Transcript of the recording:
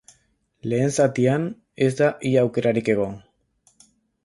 Lehen zatian ez da ia aukerarik egon.